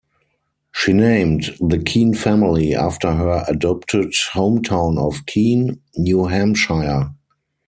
She named the Keene family after her adopted hometown of Keene, New Hampshire.